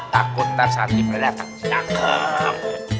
takut ntar santai santai takut senang